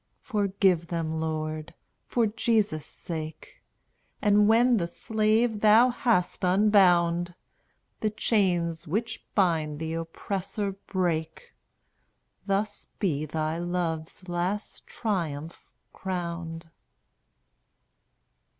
Forgive them, Lord! for Jesus' sake; And when the slave thou hast unbound, The chains which bind the oppressor break! Thus be thy love's last triumph crowned.